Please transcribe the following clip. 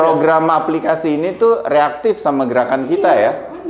program aplikasi ini tuh reaktif sama gerakan kita ya